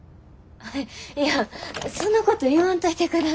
いやそんなこと言わんといてください。